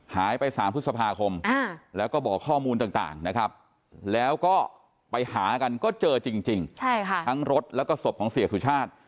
หายไปสามพฤษภาคมอ่าแล้วก็บอกข้อมูลต่างต่างนะครับ